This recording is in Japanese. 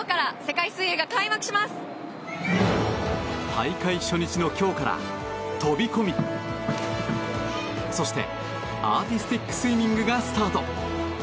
大会初日の今日から飛込、そしてアーティスティックスイミングがスタート。